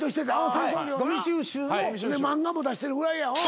漫画も出してるぐらいや。